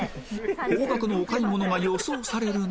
高額のお買い物が予想される中